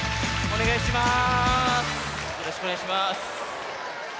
おねがいします。